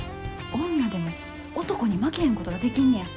女でも男に負けへんことができんねや。